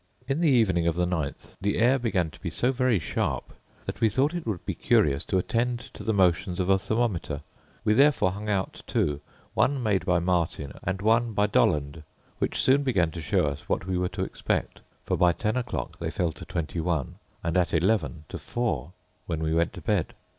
In the evening of the 9th the air began to be so very sharp that we thought it would be curious to attend to the motions of a thermometer: we therefore hung out two; one made by Martin and one by Dollond, which soon began to show us what we were to expect; for, by ten o'clock, they fell to 21, and at eleven to 4, when we went to bed.